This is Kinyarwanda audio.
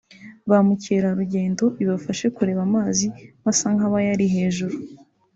ba mukereragendo ibafashe kureba amazi basa nk’abayari hejuru